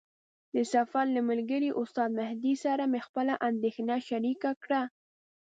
د سفر له ملګري استاد مهدي سره مې خپله اندېښنه شریکه کړه.